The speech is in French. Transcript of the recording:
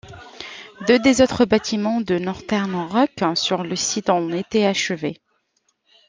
Deux des autres bâtiments de Northern Rock sur le site ont été achevés.